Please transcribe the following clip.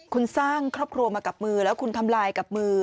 คุณสร้างครอบครัวมากับมือแล้วคุณทำลายกับมือ